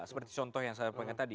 seperti contoh yang saya pengen tadi